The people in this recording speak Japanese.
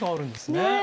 ねえ。